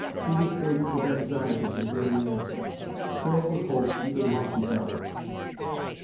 Judith waited with anxiety to hear the answer, filled with hope even while she doubted.